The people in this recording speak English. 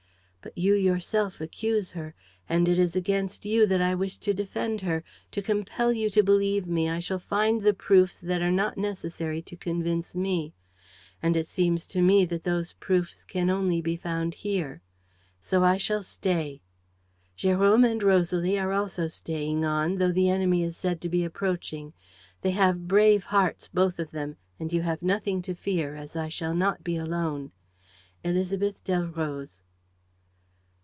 But you yourself accuse her; and it is against you that I wish to defend her. To compel you to believe me, I shall find the proofs that are not necessary to convince me. And it seems to me that those proofs can only be found here. So I shall stay. "Jérôme and Rosalie are also staying on, though the enemy is said to be approaching. They have brave hearts, both of them, and you have nothing to fear, as I shall not be alone. ÉLISABETH DELROZE."